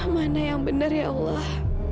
mana yang benar ya allah